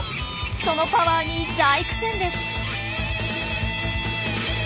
そのパワーに大苦戦です。